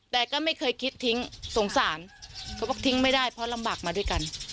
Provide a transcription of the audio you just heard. แต่ก็ไม่เคยคิดทิ้งสงสารเขาบอกทิ้งไม่ได้เพราะลำบากมาด้วยกัน